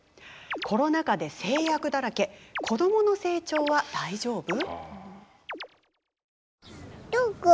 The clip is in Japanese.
コロナ禍で制約だらけ子どもの成長は大丈夫？